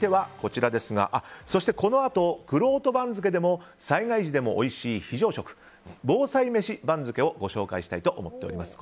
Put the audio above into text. そしてこのあとくろうと番付でも災害時でもおいしい非常食防災メシ番付をご紹介したいと思っています。